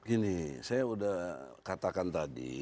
ini saya sudah katakan tadi